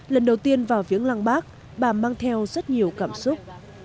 lần đầu tiên vào viếng lăng bác bà mang theo rất nhiều cảm xúc